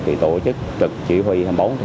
thì tổ chức trực chỉ huy